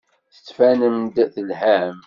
Tettbanem-d telham.